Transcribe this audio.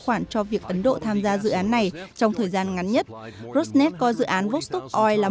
khoản cho việc ấn độ tham gia dự án này trong thời gian ngắn nhất rosnet coi dự án vostok oi làm